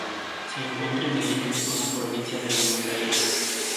Se encuentra en el límite con la provincia de Buenos Aires.